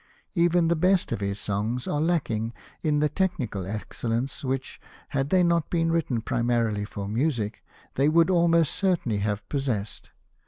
Even the best of his songs are lacking in the technical excellence which, had they not been written primarily for music, they would almost certainly have possessed.